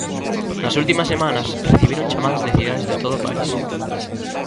Nas últimas semanas recibiron chamadas de cidades de todo o país.